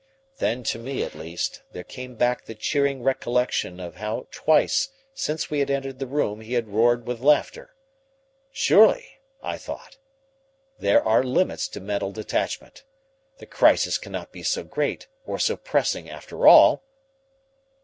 Then to me, at least, there came back the cheering recollection of how twice since we had entered the room he had roared with laughter. Surely, I thought, there are limits to mental detachment. The crisis cannot be so great or so pressing after all.